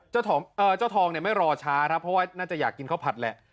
เจ้าทองเนี่ยไม่รอช้าครับเพราะว่าน่าจะอยากกินข้าวผัดแหละ